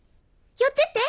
寄ってって！